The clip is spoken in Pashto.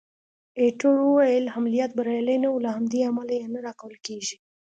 ایټور وویل: عملیات بریالي نه وو، له همدې امله یې نه راکول کېږي.